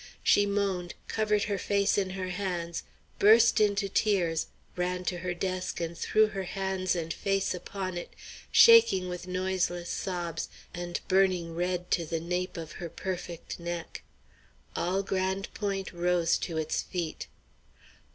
She moaned, covered her face in her hands, burst into tears, ran to her desk and threw her hands and face upon it, shaking with noiseless sobs and burning red to the nape of her perfect neck. All Grande Pointe rose to its feet.